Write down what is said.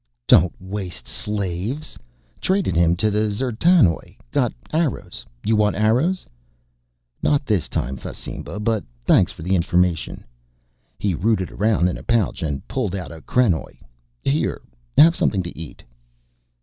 "Don't waste slave. Traded him to the D'zertanoj. Got arrows. You want arrows?" "Not this time, Fasimba, but thanks for the information." He rooted around in a pouch and pulled out a krenoj. "Here, have something to eat."